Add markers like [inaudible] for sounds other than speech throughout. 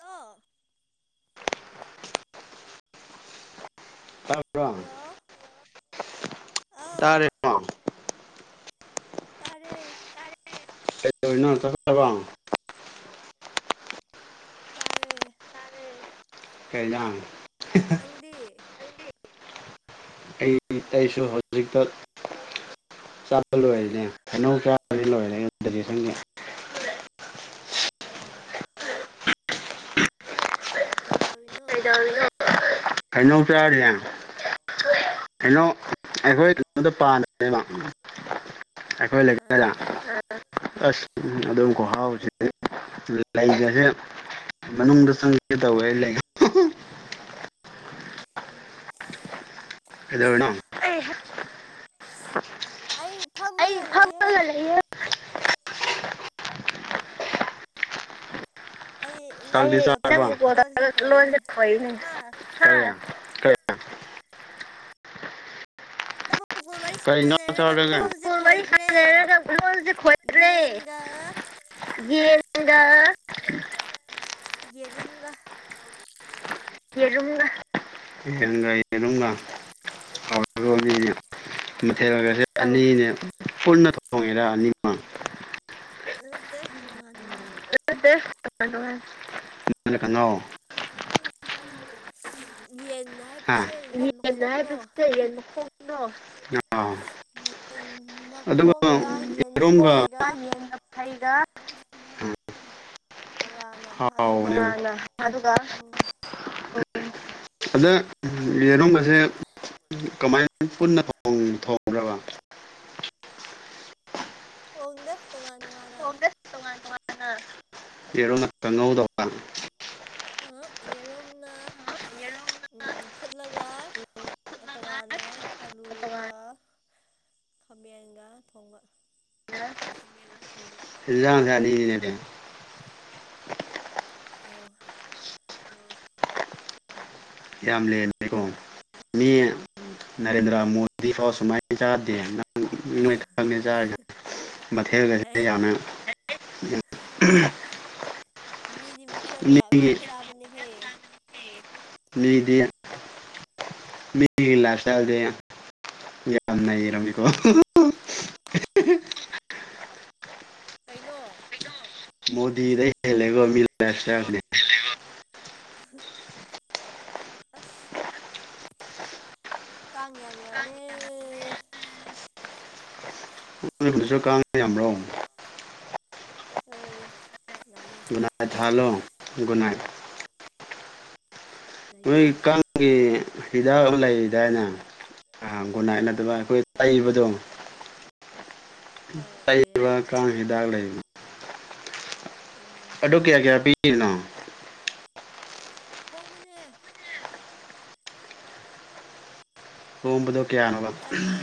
ꯇꯣ ꯇꯕ꯭ꯔꯣ ꯍꯜꯂꯣ ꯑꯥꯎ ꯇꯥꯔꯦ ꯇꯥꯔꯦ ꯀꯩꯗꯧꯔꯤꯅꯣ ꯆꯥꯛ ꯆꯥꯔꯕ꯭ꯔꯣ ꯇꯔꯦ ꯀꯩ ꯏꯟꯖꯥꯡ ꯅꯪꯗꯤ ꯑꯩ ꯑꯩꯁꯨ ꯍꯧꯖꯤꯛꯇ ꯆꯠꯕ ꯂꯣꯏꯔꯤꯅꯦ ꯍꯩꯅꯧ ꯆꯕꯗꯤ ꯂꯣꯏꯔꯦ ꯑꯥ ꯀꯩꯗꯧꯔꯤ ꯍꯩꯅꯧ ꯆꯔꯤꯌꯦ ꯍꯩꯅꯧ ꯑꯩꯈꯣꯏ ꯀꯩꯅꯣꯗꯨ ꯄꯥꯗꯅꯦꯕ ꯑꯩꯈꯣꯏ ꯑꯥ ꯂꯩꯀꯥꯏꯗ ꯑꯁ ꯑꯗꯨꯝ ꯎꯝ ꯈꯨꯍꯥꯎꯁꯦ ꯂꯩꯒꯁꯦ ꯃꯅꯨꯡꯗ ꯆꯪꯒꯦ ꯇꯧꯋꯦ ꯂꯩ [unintelligible] ꯑꯩ ꯀꯩꯗꯧꯔꯤꯅꯣ ꯑꯩ ꯐꯝꯕꯒ ꯍꯜꯂꯛꯏꯌꯦ ꯑꯩ ꯅꯪꯕꯨ ꯆꯥꯛꯇꯤ ꯀꯣꯜ ꯇꯧꯔꯒ ꯆꯔꯕ꯭ꯔꯣ ꯂꯣꯟꯁꯦ ꯈꯣꯏꯅꯦ ꯍꯥ [inaudible] ꯅꯪꯕꯨ ꯀꯣꯜ ꯋꯥꯔꯤ ꯀꯩꯅꯣ ꯁꯥꯟꯅꯔꯒ ꯆꯥꯕꯅꯦ ꯂꯣꯟꯁꯦ ꯐꯣꯟ ꯋꯥꯔꯤ ꯈꯣꯏꯈ꯭ꯔꯦ ꯁꯅꯔꯒ ꯂꯣꯟꯁꯦ ꯈꯣꯏꯔꯦ ꯌꯦꯟꯒ ꯌꯦꯟꯒ ꯌꯦꯌꯨꯝꯒ ꯌꯦꯔꯨꯝꯒ ꯌꯦꯟꯒ ꯌꯦꯔꯨꯝꯒ ꯑꯪ ꯍꯥꯎꯗꯣꯔꯤ ꯃꯊꯦꯜꯂꯒꯁꯦ ꯑꯅꯤꯅꯦ ꯄꯨꯟꯅ ꯊꯣꯡꯉꯦꯔ ꯑꯅꯤ ꯃꯃꯛ ꯅꯠꯇꯦ ꯇꯣꯉꯥꯟ ꯇꯣꯉꯥꯟ [unintelligible] ꯌꯦꯟ ꯍꯥꯏꯕꯁꯦ ꯌꯦꯟ ꯌꯦꯟꯅ ꯃꯈꯣꯡꯗꯣ ꯍꯥꯏꯕꯁꯤꯗ ꯌꯦꯟ ꯍꯣꯡꯅꯣ ꯑꯥ ꯌꯦꯟ ꯑꯗꯨꯒ ꯃꯈꯣꯡꯒ ꯌꯦꯟ ꯌꯦꯔꯨꯝꯒ ꯃꯐꯩꯒ ꯌꯥ ꯇꯣꯉꯥꯟꯅ ꯑꯗꯨꯒ ꯑꯗ ꯌꯦꯔꯨꯝꯕꯒꯁꯦ ꯀꯃꯥꯏ ꯄꯨꯟꯅ ꯊꯣꯡ ꯊꯣꯡꯕ꯭ꯔꯥꯕ ꯊꯣꯡꯗꯦ ꯇꯣꯉꯥꯟ ꯇꯣꯉꯥꯟꯅ ꯊꯣꯡꯗꯦ ꯇꯣꯉꯥꯟ ꯇꯣꯉꯥꯟꯅ ꯌꯦꯔꯨꯝꯈꯛꯇ ꯉꯧꯗꯕ ꯌꯦꯔꯨꯝꯅ ꯐꯨꯠꯂꯒ ꯇꯣꯉꯥꯟꯅ ꯑꯂꯨꯒ ꯈꯃꯌꯥꯒ ꯊꯣꯡꯉ ꯏꯁꯅꯤ ꯂꯩꯦ ꯑ ꯌꯥꯝ ꯂꯦꯟꯃꯦꯦꯀꯣ ꯃꯤ ꯅꯔꯦꯟꯗ꯭ꯔ ꯃꯣꯗꯤ ꯐꯥꯎ ꯁꯨꯃꯥꯏꯅ ꯆꯥꯗꯦ ꯅꯪ ꯃꯊꯦꯔꯒꯁꯦ ꯍꯦꯠ ꯌꯥꯝꯅ ꯃꯤꯗꯤ ꯃꯔ ꯑꯣꯏ ꯌꯥꯝ ꯃꯤꯒꯤ ꯃꯌꯥꯝ ꯁꯥꯕꯅꯤ ꯍꯦ ꯂꯤꯗ ꯃꯤ ꯂꯁꯗꯤꯦ ꯌꯥ ꯌꯦꯔꯝꯃꯤꯀꯣ ꯑꯣ ꯀꯩꯅꯣ ꯗꯩ ꯍꯦꯂꯒꯣ ꯂꯥꯏꯐꯇ ꯑꯁ ꯀꯥ ꯉꯌꯥꯥꯡꯌꯥꯃꯦ ꯁꯨ ꯀꯥꯡꯉ ꯌꯥꯝꯕ꯭ꯔꯣ ꯑꯦ ꯨꯅꯥꯏ ꯊ ꯍꯜꯂꯣ ꯒꯨꯅꯥꯏꯠ ꯃꯤꯣꯏ ꯂꯩꯇꯦ ꯀꯦ ꯍꯤꯗꯥꯛ ꯂꯩꯗꯥꯏꯅꯦ ꯨꯅꯥꯏ ꯅꯠꯇꯕ ꯑꯩꯈꯣꯏ ꯂꯩꯏꯕꯗꯣ [inaudible] ꯍꯣꯏ ꯇ ꯂꯩꯌꯦ ꯀ ꯍꯗꯒ ꯂꯩ ꯎꯝ ꯑꯗꯨ ꯀꯌꯥ ꯀꯌꯥ ꯄꯤꯔꯤꯅꯣ ꯐꯣꯡ ꯃꯅꯦ ꯑꯣꯝꯕꯗ ꯆꯅꯤ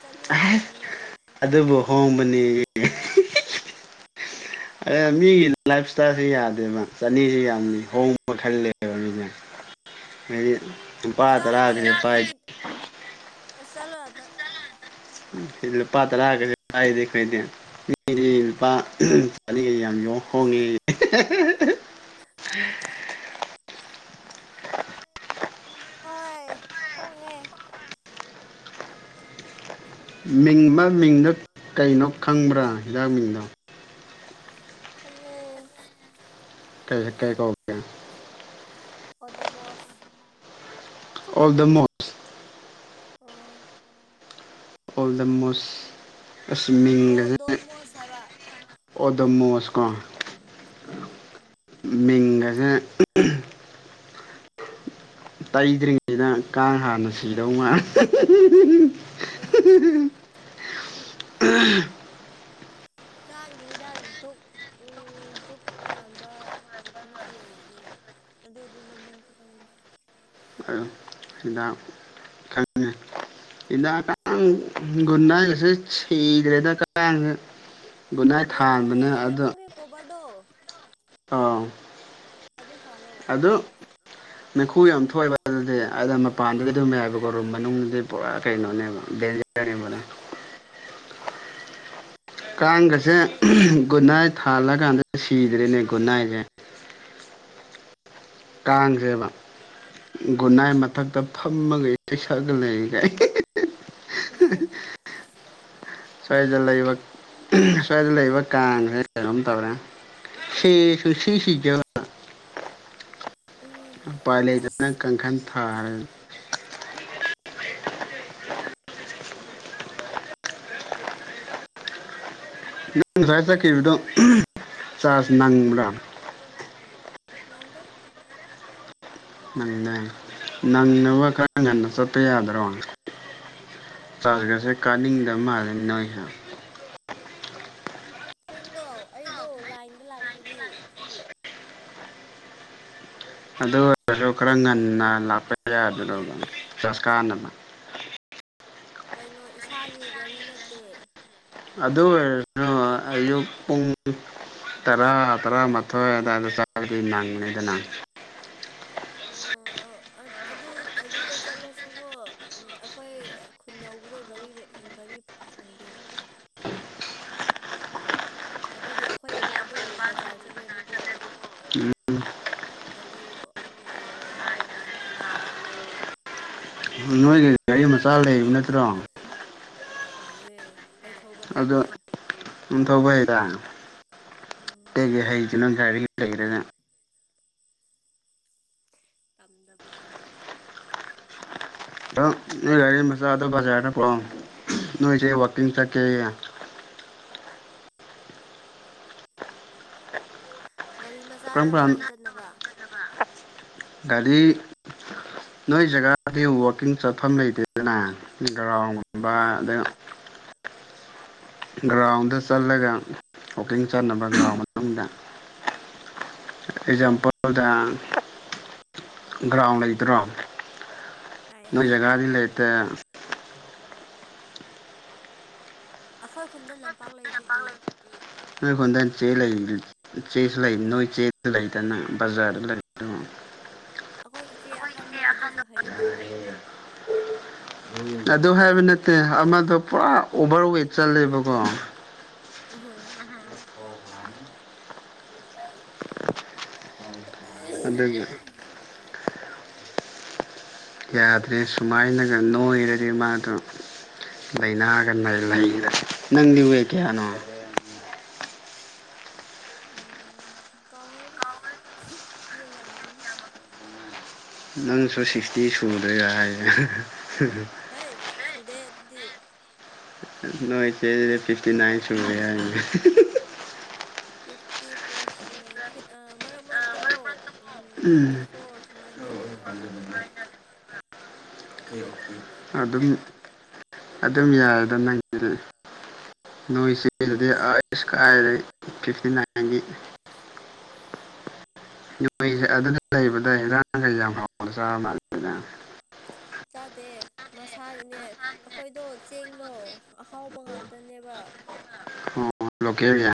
ꯆꯅꯤ ꯌꯧꯗꯕꯅꯦ ꯍꯣꯡꯕꯅꯤ ꯃꯤꯒꯤ ꯂꯥꯏꯐ ꯏꯁꯇꯥꯏꯜꯁꯨ ꯌꯥꯗꯦꯕ ꯆꯅꯤꯁꯨ ꯌꯥꯝꯅꯤ ꯍꯣꯡꯕ ꯃꯈꯜ ꯂꯩꯕ ꯔ ꯄꯥꯏ ꯆꯂꯋꯥꯗ ꯐ ꯂ ꯄꯇ ꯂꯥ ꯀ ꯑꯥꯏꯗꯤ ꯈ ꯏꯗꯦ ꯃꯤꯗꯤ ꯅꯨꯄꯥ ꯆꯅꯤꯒꯩ ꯌꯥꯝ ꯌꯦ ꯍꯣꯡꯉꯦ [unintelligible] ꯍꯣꯏ ꯍꯣꯡꯅꯦ ꯃꯤꯡ ꯃ ꯃꯤꯡꯗꯣ ꯀꯩꯅꯣ ꯈꯪꯕ꯭ꯔꯥ ꯍꯤꯗꯥꯛ ꯃꯤꯡꯗꯣ ꯈꯪꯪꯉꯦ ꯀꯩ ꯀꯩ ꯀꯒ ꯀꯗꯣꯃꯣꯁ ꯑꯣꯜ ꯗ ꯃꯣꯁ ꯑꯣ ꯑꯣꯜ ꯗ ꯃꯣꯁꯁ꯭ꯋꯤꯃꯤꯡ ꯑꯣꯗꯣꯃꯣꯁ ꯍꯥꯏꯕ ꯑꯣꯗꯝꯃꯨ ꯃꯁꯀꯣ ꯎꯝ ꯃꯤꯡꯒꯁꯦ ꯇꯩꯗ꯭ꯔꯤꯉꯩꯗ ꯀꯥꯡ ꯍꯥꯟꯅ ꯁꯤꯗꯧ ꯃꯥꯜ ꯑꯍꯣ ꯎ ꯀꯥꯡꯒꯤ ꯍꯤꯗꯥꯛ ꯙꯛ ꯙꯗꯨꯛ ꯃꯥꯟꯕ ꯑꯃꯁꯨ ꯂꯩꯔꯤꯅꯦ ꯑꯗꯨꯗꯤꯃꯃꯤꯟꯁꯨ ꯈꯪꯗꯦ ꯍꯤꯗꯥꯛ ꯈꯪꯉꯤ ꯏ ꯀ ꯨꯟꯟꯅꯁꯦꯗ꯭ꯔꯦꯗ ꯀ ꯒꯨꯅꯥꯏ ꯌꯦꯔꯨꯝꯒꯤ ꯊꯥꯡꯕꯅꯦ ꯑꯗꯣ ꯌꯦꯔꯨꯝꯒꯤ ꯀꯣꯕꯔꯗꯣ ꯑꯥ ꯑꯗꯨ ꯊꯥ ꯑꯗꯣ ꯅꯈꯨ ꯌꯥꯝ ꯊꯣꯛꯑꯕ ꯑꯗꯨꯗꯤ ꯑꯗ ꯃꯄꯥꯟꯗꯨꯗꯤ ꯑꯗꯨꯝ ꯌꯥꯏꯕꯀꯣ ꯔꯨꯝ ꯃꯅꯨꯡꯗꯤ ꯄꯨꯔꯥ ꯀꯩꯅꯣꯅꯦꯕ ꯀ ꯃꯅ ꯎꯝ ꯀꯥꯡꯒꯁꯦ ꯒꯨꯅꯥꯏ ꯊꯥꯜꯂꯀꯥꯟꯗ ꯁꯤꯗ꯭ꯔꯔꯤꯅꯦ ꯒꯨꯟꯅꯥꯏꯁꯦ ꯗꯥꯥꯏꯅꯦ ꯀꯥ ꯔꯦꯕꯥ ꯒꯨꯅꯥꯏ ꯃꯊꯛꯇ ꯐꯝꯃꯒ ꯏꯁꯩ ꯁꯛꯑꯒ ꯂꯩꯔꯤꯒ ꯑ ꯁ꯭ꯋꯥꯏꯗ ꯂꯩꯕ ꯁ꯭ꯋꯥꯏꯗ ꯂꯩꯕ ꯀꯥꯡꯁꯦ ꯀꯩꯅꯣꯝ ꯇꯧꯔꯦ ꯁꯤꯁꯨ ꯁꯤ ꯁꯤ ꯎꯝ ꯎꯄꯥꯏ ꯂꯩꯇꯅ ꯑꯁ ꯀꯥꯡꯈꯜ ꯊꯥꯈꯔꯦ ꯅꯪ ꯁꯋꯥꯏ ꯑꯩ ꯆꯠꯈꯤꯕꯗꯣ ꯆꯥꯔꯖ ꯅꯪꯕ꯭ꯔꯥ ꯅꯪꯗ ꯅꯪꯅꯦ ꯅꯪꯅꯕ ꯈꯔ ꯉꯟꯅ ꯆꯠꯄ ꯌꯥꯗꯔꯣ ꯆꯥꯔꯖꯒꯔꯁꯦ ꯀꯥꯅꯤꯡꯗꯕ ꯎꯝ ꯃꯥꯜꯜꯂꯤꯦ ꯅꯣꯏꯍ ꯄꯨꯡꯗꯧ ꯑꯩꯗꯣ ꯂꯥꯏꯟꯗ ꯂꯥꯛꯄꯒꯤ ꯑꯗꯨ ꯑꯣꯏꯔꯁꯨ ꯈꯔ ꯉꯟꯅ ꯂꯥꯛꯄ ꯌꯥꯗ ꯆ ꯀꯥꯅꯅ ꯍ ꯀꯩꯅꯣ ꯏꯁꯥꯒꯤ ꯒꯥꯔꯤ ꯅꯠꯇꯦ ꯑꯗꯨ ꯑꯣꯏ ꯑꯌꯨꯛ ꯄꯨꯡ ꯇꯔꯥ ꯇꯔꯥꯃꯊꯣꯏ ꯑꯗꯨꯋꯥꯏꯗ ꯆꯗꯤ ꯃꯪꯅꯤꯗꯅ ꯑꯣ ꯑ ꯑꯗꯨ ꯑꯗꯨꯗ ꯆꯠꯂꯁꯨꯀꯣ ꯑꯩꯈꯣꯏ ꯈꯨꯟ ꯌꯧꯕꯗꯣ ꯒꯥꯔꯤ ꯒꯥꯔꯤ ꯐꯪꯗꯦ ꯑꯗꯨꯒꯤ ꯑꯩꯈꯣꯏ ꯕꯕꯥꯗꯣ ꯕꯖꯥꯔ ꯆꯠꯂꯦꯕꯀꯣ ꯑꯗꯨ ꯉꯥꯏꯅꯔꯒ ꯂꯥꯛꯄꯅꯦ ꯅꯣꯏꯒ ꯒꯥꯔꯤ ꯃꯆꯥ ꯂꯩꯕ ꯅꯠꯇ꯭ꯔꯣ ꯌꯥꯥꯏꯨꯍꯦ ꯑꯩ ꯊꯧꯕ ꯍꯩꯇꯦ ꯅꯊꯧꯕ ꯍꯩꯗ ꯎꯝ ꯑꯩꯇꯩꯒꯤ ꯍꯩꯁꯤꯅ ꯔꯤ ꯂꯩꯗꯅ ꯇꯝꯗꯕꯒꯤ ꯑꯒꯥꯔꯤ ꯃꯆꯥ ꯑꯗꯣ ꯖꯔꯗ ꯄꯑꯣ ꯅꯣꯏ ꯆ ꯋꯥꯀꯤꯡ ꯆꯀꯦ ꯒꯥꯔꯤ ꯀꯔꯝ ꯃꯆꯥꯗ ꯀꯥꯟ ꯋꯥꯋꯥꯛꯀꯤꯡ ꯆꯠꯅꯕ ꯒꯥꯔꯤ ꯅꯣꯏ ꯖꯒꯥꯗꯤ ꯋꯥꯛꯀꯤꯡ ꯆꯠꯐꯝ ꯂꯩꯇꯦꯗꯅ ꯒ꯭ꯔꯥꯎꯟꯒꯨꯝꯕ ꯎꯝ ꯑ ꯒ꯭ꯔꯥꯎꯟꯗ ꯆꯠꯂꯒ ꯋꯥꯀꯤꯡ ꯆꯥꯟꯅꯕ ꯒ꯭ꯔꯥꯎ ꯃꯇꯨꯡꯗ ꯑꯦꯛꯖꯥꯝꯄꯜꯗ ꯒ꯭ꯔꯥꯎꯟ ꯂꯩꯕ꯭ꯔꯣ ꯂꯩꯌꯦ ꯅꯣꯏ ꯖꯒꯥꯗꯤ ꯂꯩꯇꯦ ꯑꯩꯈꯣꯏ ꯈꯨꯟꯗ ꯂꯝ ꯎ ꯍꯣꯟꯗꯅꯤ ꯆꯦ ꯂꯩ ꯆꯦꯁꯨ ꯂꯩ ꯅꯣꯏ ꯆꯦꯁꯨ ꯂꯩꯗꯅ ꯕꯖꯥꯔꯗ ꯂꯩ ꯑꯩꯈꯣꯏ ꯏꯆꯦ ꯑꯍꯟꯗꯣ ꯑꯗꯨꯁꯨ ꯍꯩꯅ ꯑꯗꯨ ꯍꯥꯏꯕ ꯅꯠꯇꯦ ꯑꯃꯗꯣ ꯄꯨꯔꯥ ꯑꯣꯚꯔ ꯋꯦꯠ ꯆꯠꯂꯦꯕꯀꯣ ꯎꯝ ꯑꯗꯨꯗꯒꯤ ꯌꯥꯗ꯭ꯔꯦ ꯁꯨꯃꯥꯏꯅꯒ ꯅꯣꯏꯔꯗꯤ ꯃꯥꯗꯣ ꯂꯥꯏꯅꯥꯒ ꯂꯩꯗ ꯅꯪꯗꯤ ꯑꯣꯏꯋꯦ ꯀꯌꯥꯅꯣ ꯎꯝ ꯀꯥꯎꯈ꯭ꯔꯦꯗ ꯑꯩ ꯌꯥꯝꯌꯥꯝꯃꯕꯝꯅꯤ ꯅꯪꯁꯨ ꯁꯤꯛꯁꯇꯤ ꯁꯨꯗꯣꯏ ꯌꯥꯌꯦꯦ ꯍ ꯁꯨꯗꯦꯗꯤ ꯅꯣꯣꯏꯦꯦ ꯐꯤꯐꯇꯤꯅꯥꯟ ꯁꯨꯦ ꯐꯤꯐꯇꯤ ꯄ꯭ꯂꯥꯁꯇꯤ ꯑ ꯃꯔꯛ ꯃꯔꯛꯇ ꯀꯣ ꯎꯝ ꯐꯤꯐꯇꯤ ꯐꯣꯔ ꯁꯨꯃꯥꯏꯅ ꯂꯩꯌꯦꯕ ꯑꯦꯛꯖꯦꯛ ꯈꯪꯗꯦꯕ ꯑꯗꯨꯝ ꯑꯗꯨꯝ ꯌꯥꯏꯗ ꯅꯪꯕꯤꯔꯛꯏ ꯅꯣꯏ ꯆꯗꯤ ꯑꯌꯨꯁ ꯀꯥꯏꯔꯦ ꯐꯤꯐꯇꯤ ꯅꯥꯏꯟꯒꯤ ꯅꯣꯏꯁꯦ ꯑꯗꯨꯅ ꯂꯩꯕꯗ ꯏꯔꯥꯡꯈꯩ ꯌꯥꯝ ꯍꯥꯎꯅ ꯆꯥꯕꯗ ꯌꯥꯗꯦ ꯃꯁꯥꯒꯤꯅꯦ ꯑꯩꯈꯣꯏꯗꯣ ꯆꯦꯡꯗꯣ ꯑꯍꯥꯎꯕ ꯉꯥꯛꯇꯅꯦꯕ ꯂꯦꯜ ꯌꯥ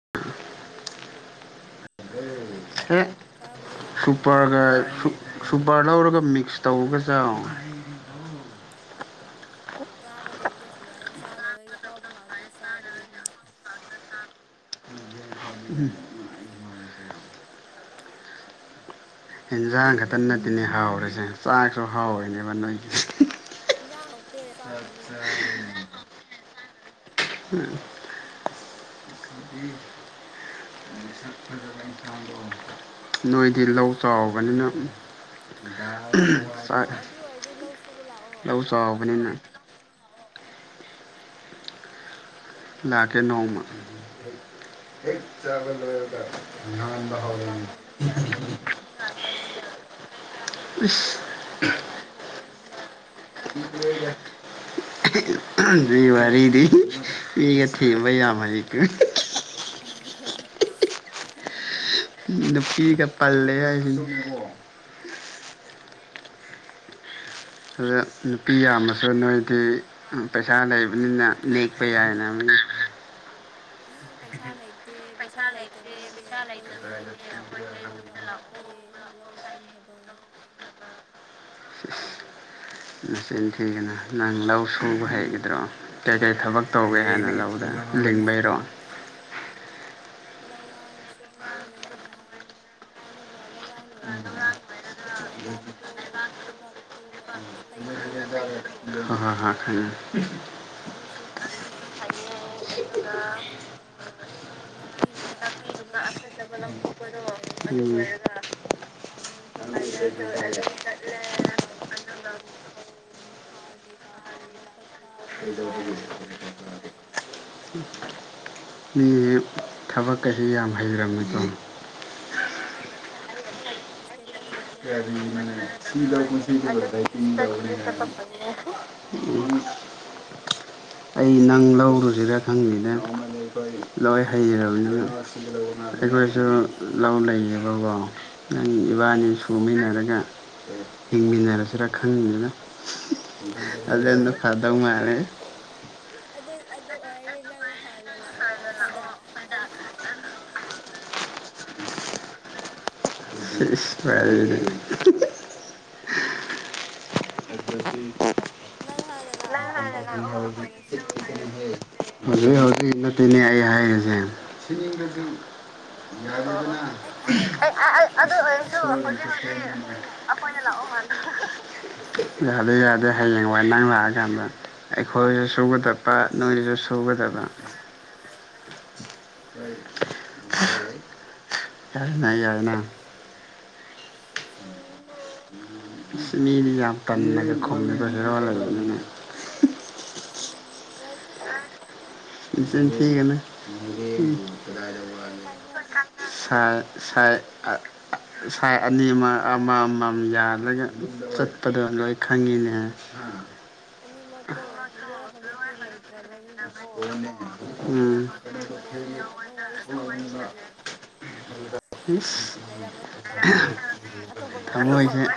ꯍꯦ ꯆꯥꯕꯗꯣ ꯁꯨꯄꯔꯒꯥꯏ ꯁꯨꯄꯔ ꯂꯧꯔꯒ ꯃꯤꯛꯁ ꯇꯧꯒ ꯆ ꯆꯥꯒꯗꯕꯗꯣ ꯁꯨꯃꯥꯏꯅ ꯆꯥꯗꯕꯒꯤ ꯑꯍꯥꯎꯕ ꯉꯥꯛꯇ ꯆꯥꯕꯒꯤꯅꯤ ꯎꯝ ꯏꯟꯁꯥꯡ ꯈꯛꯇ ꯅꯠꯇꯅꯦ ꯍꯥꯎꯔꯤꯁꯦ ꯆꯥꯛꯁꯨ ꯍꯥꯎꯔꯤꯅꯦꯕ ꯅꯣꯏꯒꯤ ꯌꯥ ꯑꯆꯥ ꯎꯝ ꯅꯣꯏꯗꯤ ꯂꯧ ꯆꯥꯎꯕꯅꯤꯅꯥꯛ ꯃꯣꯔꯣꯛ ꯑꯣ ꯑꯗꯨ ꯑꯣꯏꯔꯗꯤ ꯂꯧ ꯁꯨꯕ ꯂꯥꯛꯑꯣ ꯂꯎ ꯆꯥꯕꯅꯤꯅ ꯂꯥꯛꯀꯦ ꯅꯣꯡꯃ ꯆ ꯆꯥꯎꯃꯟꯕꯒꯤ ꯑꯩꯈꯣꯏꯗꯤ ꯂ ꯥꯟꯗ ꯍ ꯅꯨꯄꯤ ꯂ ꯉꯥꯛꯇꯅꯤꯅ ꯅꯨꯄꯤꯅ ꯑꯌꯥꯝꯕ ꯑꯣꯏꯕꯅꯤꯅ ꯋꯥꯔꯤꯔꯤꯗꯤ ꯐꯒ ꯊ ꯌꯥꯕ [unintelligible] ꯅꯨꯄꯤ ꯀ ꯄꯜꯂꯦ ꯍꯥꯏꯁꯤ ꯑꯗꯨ ꯅꯨꯄꯤ ꯌꯥꯝꯃꯁꯨ ꯅꯣꯏꯗꯤ ꯄꯩꯁꯥ ꯂꯩꯕ ꯅꯄ ꯌꯥꯅ ꯎꯝ ꯄꯩꯁꯥ ꯂꯩꯇꯦ ꯄꯩꯁꯥ ꯂꯩꯇꯕꯒꯤ ꯅꯦ ꯑꯩꯈꯣꯏꯁꯦ ꯌꯨꯝꯗ ꯂꯥꯛꯑꯣ ꯂꯥꯛꯑꯣ ꯍꯥꯏꯌꯦ ꯂꯧ ꯀꯨꯝꯅꯕ [unintelligible] ꯃꯆꯤꯟ ꯊꯤꯒꯅ ꯅꯪ ꯂꯧ ꯁꯨꯕ ꯍꯩꯒꯗ꯭ꯔꯣ ꯀꯩꯀꯩ ꯊꯕꯛ ꯇꯧꯒꯦ ꯍꯥꯏꯅ ꯂꯧ ꯂꯤꯡꯕꯔꯣ ꯂꯧꯔꯥꯡꯁꯨ ꯍꯩꯌꯦ ꯑꯗꯨꯒ ꯂꯧꯔꯥꯡ ꯂꯣꯏꯔꯒ ꯂꯩꯕꯥꯛꯇꯣ ꯂꯩꯕꯥꯛꯇꯣ ꯃꯊꯛꯇ ꯇꯩꯕꯗꯣ ꯍ ꯍ ꯈꯪ ꯑꯗꯨꯁꯨ ꯍꯩꯑꯦ ꯑꯗꯨꯒ ꯅꯨꯄꯤꯒꯨꯝꯕ ꯑꯐꯠꯇꯕ ꯂꯧꯊꯣꯛꯄꯗꯣ ꯑꯗꯨ ꯂꯣꯏꯔꯒ ꯁꯨ ꯑꯗꯨꯝ ꯆꯠꯂꯦ ꯑꯗꯨꯒ ꯐꯧ ꯎꯝ ꯍꯥꯔ ꯀꯩꯀꯥ ꯄꯨꯕ ꯈꯣꯠꯄ ꯑꯗꯨꯒꯨꯝꯕꯁꯨ ꯑꯗꯨꯝ ꯆꯠꯂꯤꯅ ꯃꯤ ꯊꯕꯛꯈꯁꯤ ꯌꯥꯝ ꯍꯩꯔꯕꯕꯃꯤꯀꯣ ꯑꯩꯅ ꯑꯩꯅ ꯏꯁꯇꯦꯇꯁꯒꯨꯝꯕ ꯊꯥꯒꯠꯇꯕꯩ ꯋꯥꯅꯤ ꯑꯗꯨꯝ ꯆꯠꯄꯨꯗꯤ ꯁꯤꯁꯤ ꯆꯠꯄ ꯐꯪꯉꯦ ꯑꯩ ꯅꯪ ꯂꯧꯔꯨꯁꯤꯗ ꯈꯪꯉꯅꯦ ꯂꯣꯏ ꯍꯩꯖꯔꯕꯗꯨ ꯑꯩꯈꯣꯏꯁꯨ ꯂꯧ ꯂꯩꯌꯦꯕꯀꯣ ꯅꯪ ꯏꯕꯥꯅꯤ ꯑꯁ ꯍꯥꯏꯔꯒ ꯍꯤꯡꯃꯤꯟꯅꯔꯁꯤꯔꯥ ꯈꯪꯗ꯭ꯔꯦꯗ ꯑꯗꯨꯅ ꯐꯗꯧ ꯃꯥꯟꯂꯦ ꯑꯗꯨ ꯑꯗꯨ ꯑꯣꯏꯔꯦ ꯅꯪ ꯍꯥꯟꯅ ꯂꯥꯛꯑꯣ ꯑꯩꯈꯣꯏꯗ ꯑꯗꯨ ꯁꯤꯁ ꯐ [unintelligible] ꯅꯪ ꯍꯥꯟꯅ ꯂꯥꯛꯑꯣ ꯑꯩꯈꯣꯏꯒꯤ [unintelligible] ꯂꯧ ꯍꯧꯖꯤꯛ ꯍꯥꯟꯅ ꯁꯨꯔꯁꯦ ꯍꯧꯖꯤꯛ ꯅꯠꯇꯦꯅꯦ ꯑꯩ ꯍꯥꯏꯔꯤꯁꯦ ꯑꯣ ꯑꯣ ꯑꯩ ꯑꯗꯨ ꯑꯣꯏꯔꯁꯨ ꯍꯧꯖꯤꯛ ꯍꯧꯖꯤꯛ ꯑꯩꯈꯣꯏ ꯂꯥꯛꯑꯣ ꯍꯥꯏꯕ [unintelligible] ꯌꯥꯗꯦ ꯌꯥꯗꯦ ꯍꯌꯦꯡꯋꯥꯏ ꯅꯪ ꯂꯥꯛꯑꯀꯥꯟꯗ ꯑꯩꯈꯣꯏꯁꯨ ꯁꯨꯒꯗꯕ ꯅꯣꯏꯁꯨ ꯁꯨꯒꯗꯕ ꯌꯥꯔꯦꯅꯥ ꯌꯥꯔꯦꯅꯥ ꯎꯝ ꯁꯤ ꯃꯤꯗꯤ ꯌꯥꯝ ꯇꯟꯅꯂꯒ ꯈꯣꯡꯉꯕ ꯍꯦꯔꯋꯥꯂꯅꯤꯅ [unintelligible] ꯂꯩꯇꯦ ꯅꯥꯆꯤꯟ ꯊꯤꯒꯅꯨ ꯂꯣꯏ ꯀꯥꯏꯅꯈ꯭ꯔꯦ ꯁꯥꯏ ꯏꯁꯥꯏ ꯑꯅꯤ ꯑꯃ ꯑꯃ ꯑꯃꯃꯝ ꯌꯥꯜꯂꯒ ꯆꯠꯄꯗꯣ ꯂꯣꯏ ꯈꯪꯉꯤꯅꯦ ꯑꯅꯤꯃꯛꯇꯣ ꯂꯣꯏ ꯍꯧꯖꯤꯛꯇꯤ ꯂꯩꯇ꯭ꯔꯕꯅꯤꯅꯀꯣ ꯍꯧꯖꯤꯛ ꯎꯝ ꯅꯉꯣꯟꯗ ꯑꯗꯨꯝ ꯋꯥꯔꯤ ꯁꯥꯟꯅꯔꯤꯁꯤꯗꯤ ꯏꯁ ꯂꯩꯔꯝꯃꯅꯤ ꯍꯧꯖꯤꯛ ꯑꯇꯣꯞꯄꯒ ꯋꯥꯔꯤ ꯊꯃꯣꯏꯁꯦ ꯁꯥꯟꯅ